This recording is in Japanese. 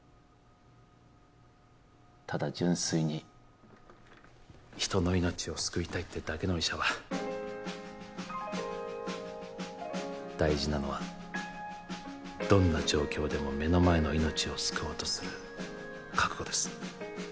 ただ純粋に人の命を救いたいってだけの医者は大事なのはどんな状況でも目の前の命を救おうとする覚悟です